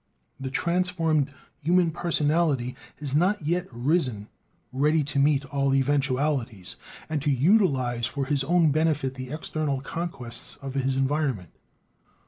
The transformed human personality has not yet arisen ready to meet all eventualities and to utilize for his own benefit the external conquests of his environment.